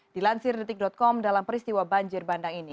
dilansir detik com dalam peristiwa banjir bandang ini